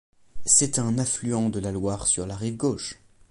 C'est un affluent de la Loire sur la rive gauche.